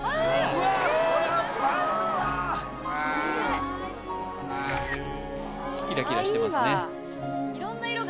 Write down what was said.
うわっ・きれいキラキラしてますね